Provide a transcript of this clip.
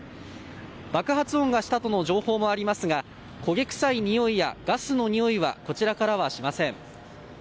爆発音がしたとの情報もありますが焦げ臭いにおいやガスのにおいはこちらからはしません。